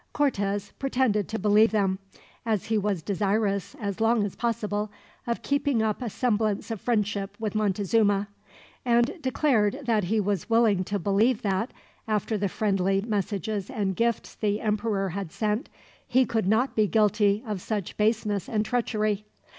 Cortez pretended to believe them, as he was desirous, as long as possible, of keeping up a semblance of friendship with Montezuma; and declared that he was willing to believe that, after the friendly messages and gifts the emperor had sent, he could not be guilty of such baseness and treachery.